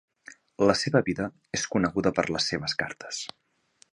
La seva vida és coneguda per les seves cartes.